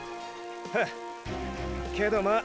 ハッけどまあ